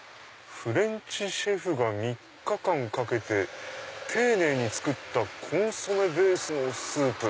「フレンチシェフが３日間かけて丁寧に作ったコンソメベースのスープ」。